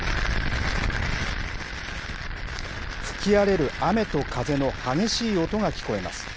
吹き荒れる雨と風の激しい音が聞こえます。